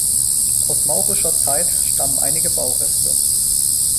Aus maurischer Zeit stammen einige Baureste.